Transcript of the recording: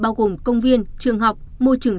bao gồm công viên trường học môi trường